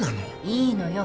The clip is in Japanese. いいのよ。